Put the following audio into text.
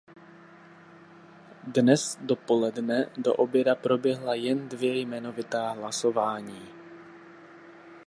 Dnes dopoledne do oběda proběhla jen dvě jmenovitá hlasování.